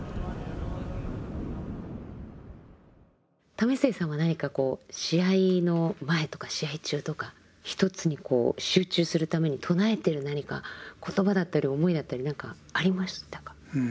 為末さんは何かこう試合の前とか試合中とか一つに集中するために唱えてる何か言葉だったり思いだったり何かありましたか？